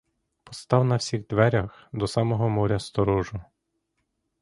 Постав на всіх дверях до самого моря сторожу!